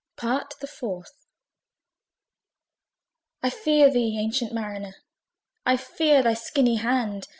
PART THE FOURTH. "I fear thee, ancient Mariner! I fear thy skinny hand!